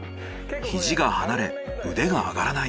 肘が離れ腕が上がらない。